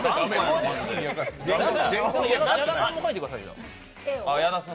矢田さん描いてくださいよ。